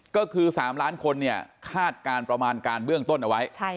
ก็คือ๓ล้านคนเนี่ยคาดการณ์ประมาณการเบื้องต้นเอาไว้